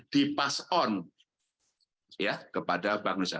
dipass on ya kepada bank indonesia